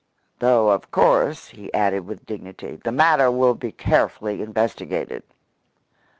"Though of course," he added with dignity, "the matter will be carefully investigated."